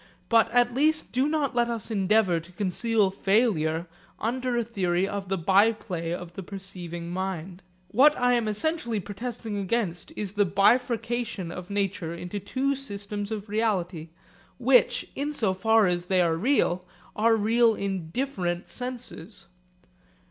But at least do not let us endeavour to conceal failure under a theory of the byplay of the perceiving mind. What I am essentially protesting against is the bifurcation of nature into two systems of reality, which, in so far as they are real, are real in different senses.